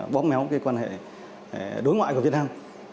bó méo cái quan hệ đối ngoại của việt nam